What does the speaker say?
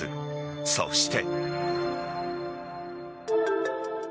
そして。